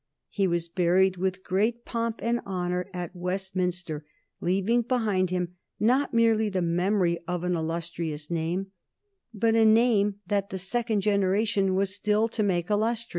He was buried with great pomp and honor at Westminster, leaving behind him not merely the memory of an illustrious name, but a name that the second generation was still to make illustrious.